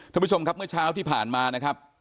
ท่านผู้ชมครับเมื่อเช้าที่ผ่านมานะครับ